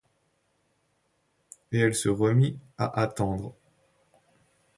Et elle se remit à attendre.